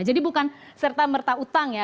jadi bukan serta merta utang ya